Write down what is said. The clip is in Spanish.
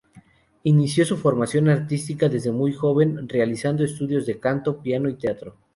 Inició su formación artística desde muy joven, realizando estudios de canto, piano y teatro.